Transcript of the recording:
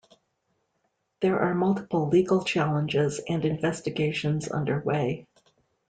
There are multiple legal challenges and investigations under way.